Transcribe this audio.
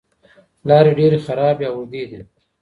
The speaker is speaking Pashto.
لارې ډېرې خرابې او اوږدې دي.